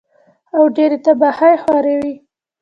او ډېرې تباهۍ خوروي